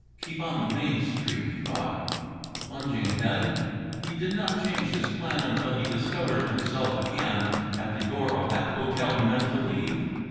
"Keep on the main street," he thought, plunging ahead. He did not change this plan until he discovered himself again at the door of that hotel he meant to leave.